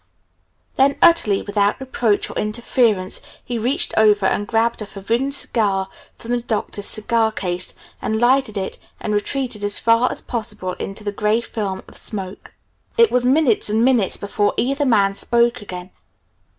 Then utterly without reproach or interference, he reached over and grabbed a forbidden cigar from the Doctor's cigar case, and lighted it, and retreated as far as possible into the gray film of smoke. It was minutes and minutes before either man spoke again.